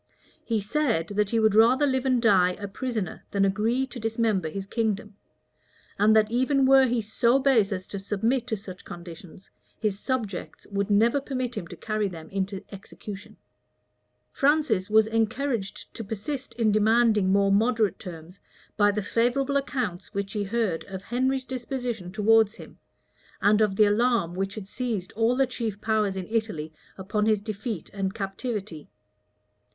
He said, that he would rather live and die a prisoner than agree to dismember his kingdom; and that even were he so base as to submit to such conditions, his subjects would never permit him to carry them into execution. Francis was encouraged to persist in demanding more moderate terms by the favorable accounts which he heard of Henry's disposition towards him, and of the alarm which had seized all the chief powers in Italy upon his defeat and captivity.